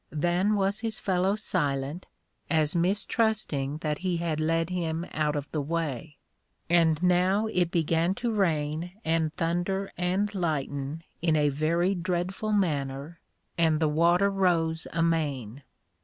Then was his fellow silent, as mistrusting that he had led him out of the way; and now it began to rain, and thunder, and lighten in a very dreadful manner, and the water rose amain.